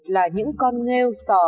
là những con nghêu sò